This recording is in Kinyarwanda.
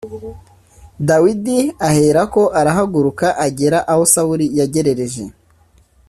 Dawidi aherako arahaguruka agera aho Sawuli yagerereje